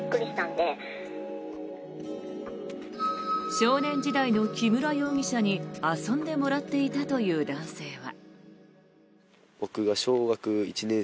少年時代の木村容疑者に遊んでもらっていたという男性は。